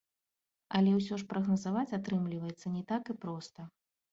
Але ўсё ж прагназаваць атрымліваецца не так і проста.